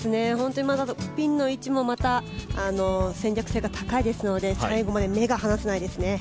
ピンの位置もまた戦略性が高いですので最後まで目が離せないですね。